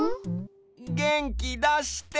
げんきだして！